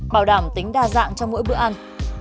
bảo đảm tính đa dạng trong mỗi bữa ăn